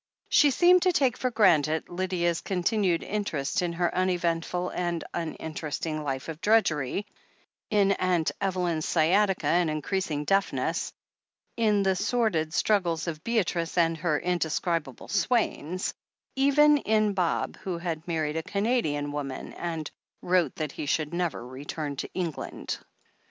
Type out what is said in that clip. She seemed to take for granted Lydia's continued interest in her uneventful and uninteresting life of drudgery, in Aunt Evelyn's sciatica and increasing deafness, in the sordid struggles of Beatrice and her indescribable Swaines; even in Bob, who had married a Canadian woman, and wrote that he should never return to England.